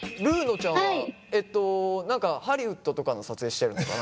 ちゃんはえっと何かハリウッドとかの撮影してるのかな？